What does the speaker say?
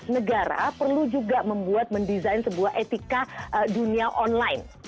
negara perlu juga membuat mendesain sebuah etika dunia online